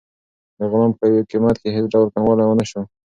د غلام په قیمت کې هېڅ ډول کموالی ونه شو.